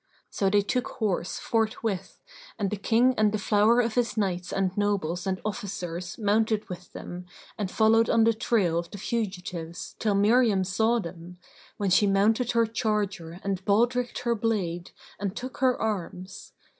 So they took horse forthwith and the King and the flower of his knights and nobles and officers mounted with them and followed on the trail of the fugitives till Miriam saw them, when she mounted her charger and baldrick'd her blade and took her arms.